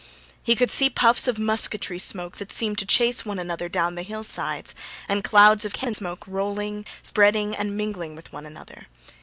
He could see puffs of musketry smoke that seemed to chase one another down the hillsides, and clouds of cannon smoke rolling, spreading, and mingling with one another.